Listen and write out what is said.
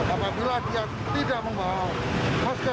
apabila dia tidak membawa masker